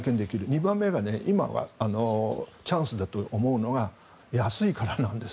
２番目が今、チャンスだと思うのは安いからなんです。